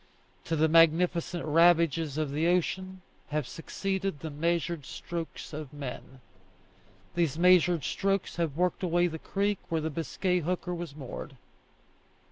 To the magnificent ravages of the ocean have succeeded the measured strokes of men. These measured strokes have worked away the creek where the Biscay hooker was moored.